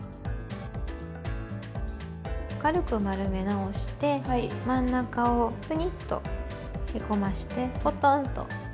軽く丸め直して真ん中をふにっとへこましてポトンと。